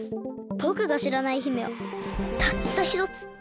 ぼくがしらない姫はたったひとつ。